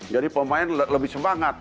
jadi pemain lebih semangat